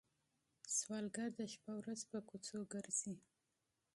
سوالګر د شپه ورځ پر کوڅو ګرځي